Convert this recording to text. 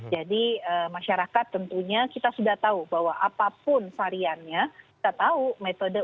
jadi masyarakat tentunya kita sudah tahu bahwa apapun variannya kita tahu metode